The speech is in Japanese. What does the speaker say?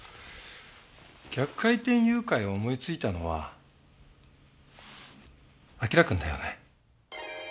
逆回転誘拐を思いついたのは輝くんだよね？